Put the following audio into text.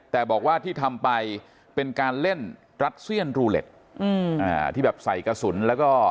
แต่บอกว่าที่ทำไปเป็นการเล่นรัสเซียนรูเล็ตที่แบบใส่กระสุนแล้วก็